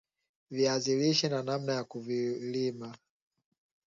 viazi lishe na namna ya kuvilima